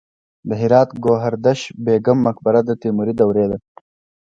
د هرات ګوهردش بیګم مقبره د تیموري دورې ده